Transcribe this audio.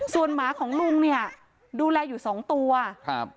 ส่วนหมาของลุงเนี่ยดูแลอยู่สองตัวครับ